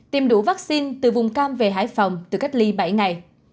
tiêm đủ vaccine từ vùng cam về hải phòng tự cách ly bảy ngày